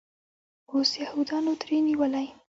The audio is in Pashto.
اوس یهودانو ترې نیولی.